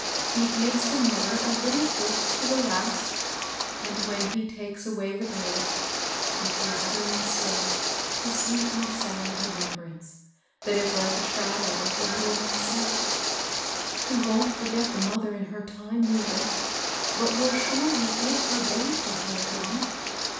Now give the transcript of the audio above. He gives the mother a little hope to the last ; and, when he takes away the babe, he gives her instead a sweetly sad re membrance that is like a shadow of the little one's self. He wont forget the mother in her time, nei ther ; but will surely give her babe to her again.